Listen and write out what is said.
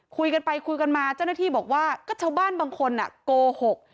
คุยกันไปคุยกันมาเจ้าหน้าที่บอกว่าก็ชาวบ้านบางคนโกหก